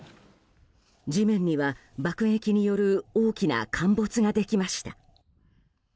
地面には爆撃による大きな陥没ができました。